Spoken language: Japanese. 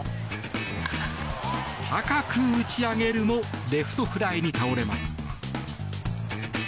高く打ち上げるもレフトフライに倒れます。